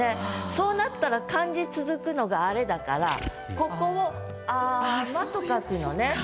そうなったら漢字続くのがあれだからここを「あま」と書くのね。